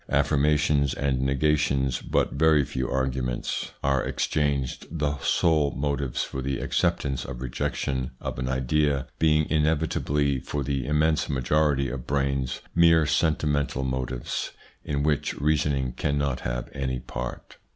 Affirmations and negations but very few arguments, 174 THE PSYCHOLOGY OF PEOPLES: are exchanged, the sole motives for the acceptance or rejection of an idea being inevitably, for the immense majority of brains, mere sentimental motives, in which reasoning cannot have any part.